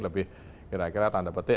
lebih kira kira tanda petik